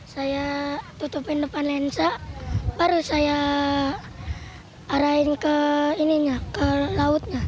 saya tutupin depan lensa baru saya arahin ke lautnya